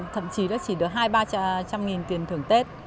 thậm chí là chỉ được hai ba trăm linh nghìn đồng